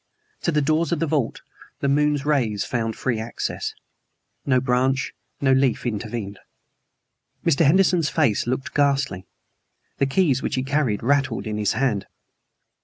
To the doors of the vault the moon rays found free access. No branch, no leaf, intervened. Mr. Henderson's face looked ghastly. The keys which he carried rattled in his hand.